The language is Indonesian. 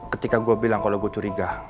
ketika gue bilang kalau gue curiga